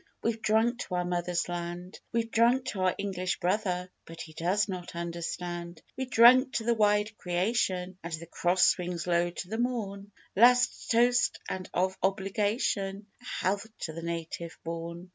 We've drunk to our mothers' land; We've drunk to our English brother (But he does not understand); We've drunk to the wide creation, And the Cross swings low to the morn, Last toast, and of obligation, A health to the Native born!